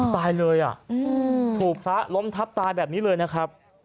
ตายเลยถูกพระล้มทับตายแบบนี้เลยนะครับ